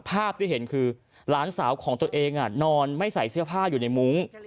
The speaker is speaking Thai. ภาพที่เห็นคือหลานสาวของตัวเองนอนไม่ใส่เสื้อผ้าอยู่ในมุ้ง